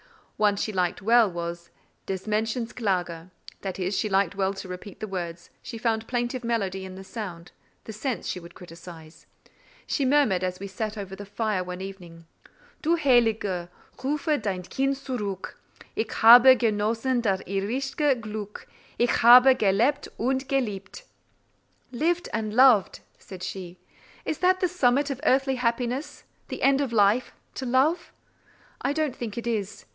One she liked well was "Des Mädchens Klage:" that is, she liked well to repeat the words, she found plaintive melody in the sound; the sense she would criticise. She murmured, as we sat over the fire one evening:— Du Heilige, rufe dein Kind zurück, Ich habe genossen das irdische Glück, Ich habe gelebt und geliebet! "Lived and loved!" said she, "is that the summit of earthly happiness, the end of life—to love? I don't think it is.